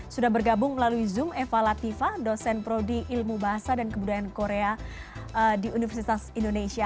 sudah bergabung melalui zoom eva latifah dosen prodi ilmu bahasa dan kebudayaan korea di universitas indonesia